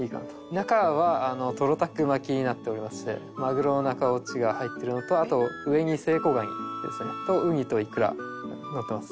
中はトロたく巻きになっておりましてマグロの中落ちが入ってるのとあと上にセイコガニですね。とウニとイクラがのってます。